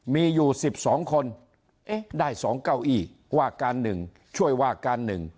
มีอยู่๑๒คนได้๒เก้าอี้ว่าการ๑ช่วยว่าการ๑